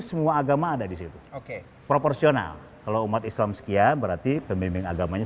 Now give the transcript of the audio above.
semua agama ada di situ oke proporsional kalau umat islam sekian berarti pemimpin agamanya